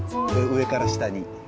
上から下に。